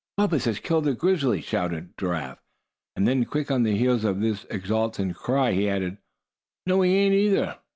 "Bumpus has killed a grizzly!" shouted Giraffe; and then, quick on the heels of this exultant cry he added: "no he ain't, either!